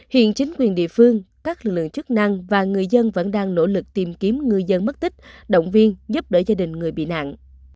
hiện chính quyền địa phương các lực lượng chức năng và người dân vẫn đang nỗ lực tìm kiếm ngư dân mất tích động viên giúp đỡ gia đình người bị nạn